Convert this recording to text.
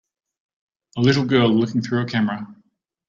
A little girl looking through a camera.